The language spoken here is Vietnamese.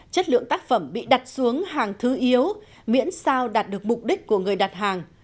chất lượng tác phẩm bị đặt xuống hàng thứ yếu miễn sao đạt được mục đích của người đặt hàng